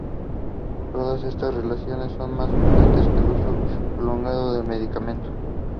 The other major difference between them is the internals.